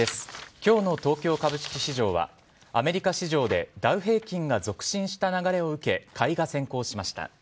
今日の東京株式市場はアメリカ市場でダウ平均が続伸した流れを受け買いが先行しました。